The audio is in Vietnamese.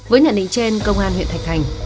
với nhận định trên công an huyện thạch thành